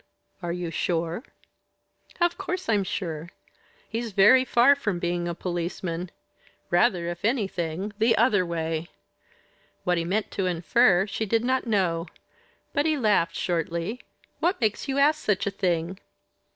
"Are you sure?" "Of course I'm sure. He's very far from being a policeman rather, if anything, the other way." What he meant to infer, she did not know; but he laughed shortly, "What makes you ask such a thing?"